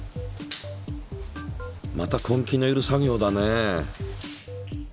また根気のいる作業だね。